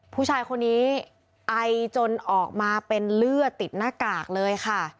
ผู้ชายคนนี้ไอจนออกมาเป็นเลือดติดหน้ากากเลยค่ะ